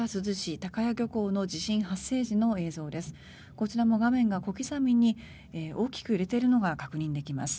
こちらも画面が小刻みに大きく揺れているのが確認できます。